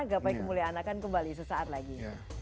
gapai kemuliaan akan kembali sesaat lagi